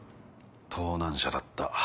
盗難車だった。